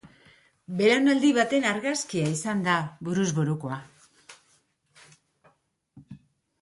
Belaunaldi baten argazkia izan da buruz burukoa.